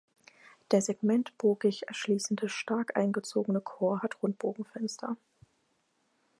Der segmentbogig schließende stark eingezogene Chor hat Rundbogenfenster.